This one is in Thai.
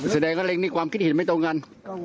แสดงว่าเร็งนี่ความคิดเห็นไม่ตรงกัน